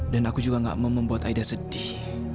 dan aku juga gak mau membuat aida sedih